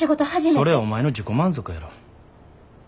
それはお前の自己満足やろ。